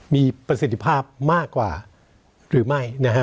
มีประสิทธิภาพมากกว่าหรือไม่นะฮะ